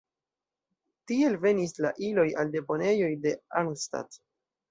Tiel venis la iloj al deponejoj de Arnstadt.